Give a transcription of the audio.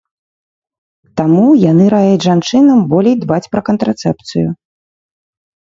Таму яны раяць жанчынам болей дбаць пра кантрацэпцыю.